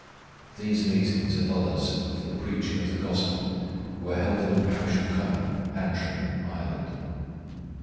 These meetings and others for the preaching of the Gospel were held in the parish of Connor, Antrim, Ireland.